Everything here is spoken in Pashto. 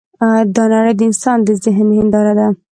دا نړۍ د انسان د ذهن هینداره ده.